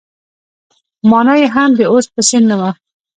مانا يې هم د اوس په څېر نه وه.